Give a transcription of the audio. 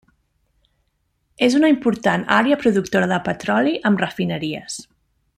És una important àrea productora de petroli amb refineries.